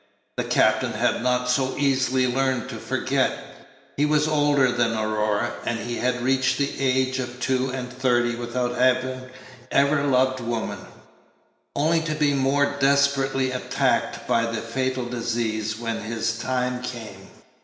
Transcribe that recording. The captain had not so easily learned to forget. He was older than Aurora, and he had reached the age of two and thirty without having ever loved woman, only to be more desperately attacked by the fatal disease when his time came.